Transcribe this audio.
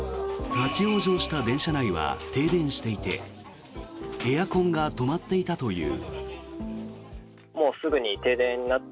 立ち往生した電車内は停電していてエアコンが止まっていたという。